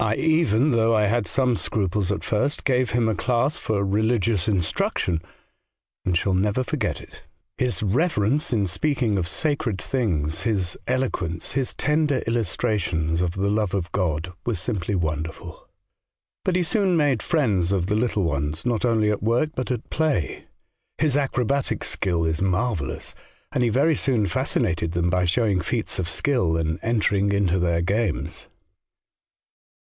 I even, though I had some scruples at first, gave him a class for religious instruction, and shall never forget it. His reverence in speak ing of sacred things, his eloquence, his tender illustrations of the love of God, were simply wonderful. " But he soon made friends of the little ones, not only at work, but at play. His acrobatic skill is marvellous, and he very soon fascinated them by showing feats of skill and entering into their games.